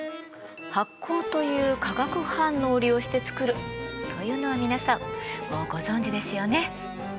発酵という化学反応を利用して作るというのは皆さんもうご存じですよね？